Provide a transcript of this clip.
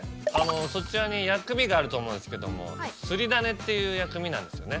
そちらに薬味があると思うんですけどもすりだねっていう薬味なんですよね。